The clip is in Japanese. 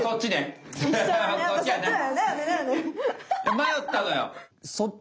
迷ったのよ！